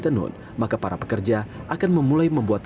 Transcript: kemudian kiswah dari semua